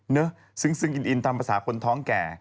ซึ้งอินตามภาษาคนท้องแก่